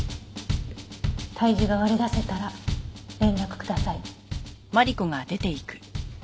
体重が割り出せたら連絡ください。